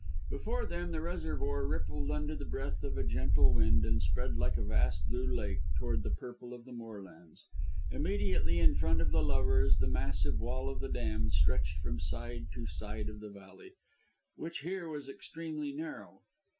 Before them the reservoir rippled under the breath of a gentle wind, and spread like a vast blue lake toward the purple of the moorlands. Immediately in front of the lovers the massive wall of the dam stretched from side to side of the valley, which here was extremely narrow.